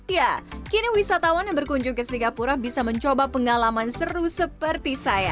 ya kini wisatawan yang berkunjung ke singapura bisa mencoba pengalaman seru seperti saya